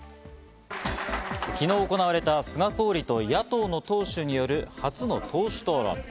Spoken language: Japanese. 昨日行われた菅総理と野党の党首による初の党首討論。